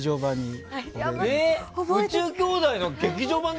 「宇宙兄弟」の劇場版に。